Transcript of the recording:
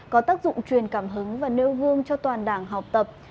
có tác dụng truyền cảm hứng và nêu gương cho toàn đảng học tập